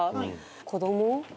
子供。